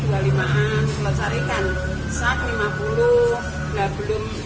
dan ser commencé mencarikan dan turun uang yaitu terdapat surat surat berharga